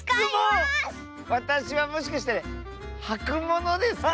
わたしはもしかしてはくものですか？